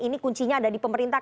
ini kuncinya ada di pemerintah